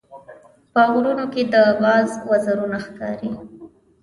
په غرونو کې د باز وزرونه ښکاري.